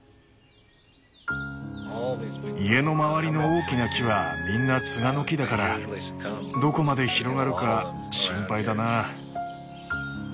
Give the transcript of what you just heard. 家の周りの大きな木はみんなツガの木だからどこまで広がるか心配だな。